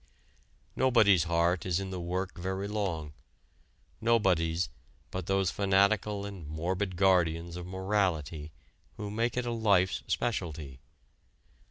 Nobody's heart is in the work very long; nobody's but those fanatical and morbid guardians of morality who make it a life's specialty.